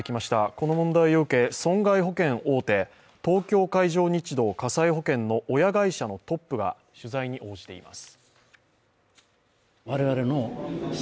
この問題を受け、損害保険大手東京海上日動火災の親会社のトップが取材に応じています。